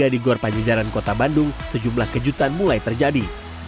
di gor pajajaran kota bandung sejumlah kejutan mulai terjadi